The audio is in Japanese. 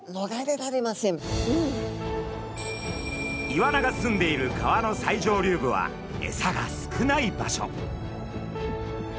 イワナがすんでいる川の最上流部はエサが少ない場所。